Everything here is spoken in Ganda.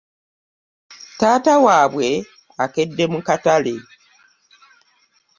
Taata wabwe akedde mu katale.